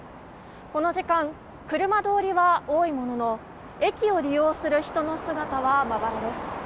この時間、車通りは多いものの駅を利用する人の姿はまばらです。